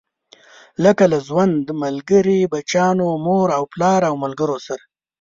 لکه له ژوند ملګري، بچيانو، مور او پلار او ملګرو سره.